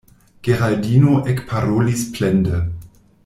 Geraldino ekparolis plende: